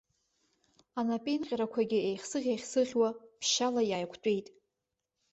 Анапеинҟьарақәагьы еихсыӷь-еихсыӷьуа, ԥшьшьала иааиқәтәеит.